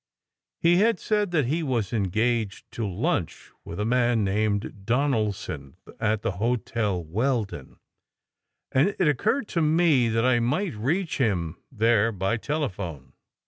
He had said that he was engaged to lunch with a man named Donaldson at the Hotel Weldon, and it occurred to me that I might reach him there by telephone.